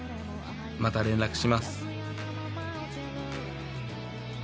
また連絡します」。